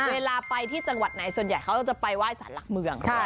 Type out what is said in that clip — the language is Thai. เวลาไปที่จังหวัดไหนส่วนใหญ่เขาจะไปไหว้สารหลักเมือง